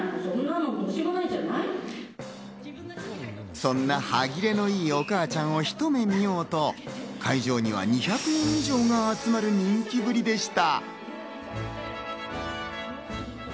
そんな歯切れのいいお母ちゃんをひと目見ようと、会場には２００人以上が集まる人気ぶりでした。